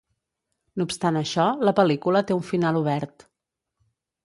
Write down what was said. No obstant això, la pel·lícula té un final obert.